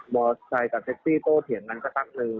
มอร์ไซค์กับเซ็กซี่โต้เถียงกันสักนึง